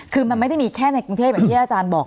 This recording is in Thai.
คือมันไม่ได้มีแค่ในกรุงเทพอย่างที่อาจารย์บอก